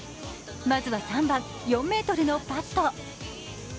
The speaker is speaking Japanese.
まずは３番、４ｍのパット。